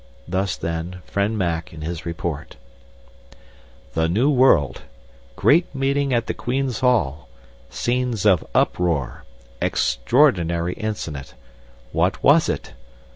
Thus, then, friend Mac in his report: THE NEW WORLD GREAT MEETING AT THE QUEEN'S HALL SCENES OF UPROAR EXTRAORDINARY INCIDENT WHAT WAS IT?